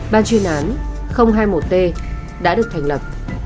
ban chuyên án hai mươi một t đã được thành lập